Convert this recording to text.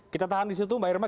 kita tahan di situ mbak irma